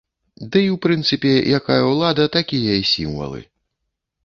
Ды ў прынцыпе, якая ўлада, такія і сімвалы.